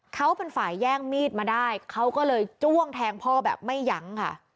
เขาเป็นฝ่ายแย่งมีดมาได้เขาก็เลยจ้วงแทงพ่อแบบไม่ยั้งค่ะ